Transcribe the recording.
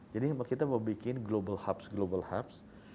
jadi kita mau bikin global hubs global hubs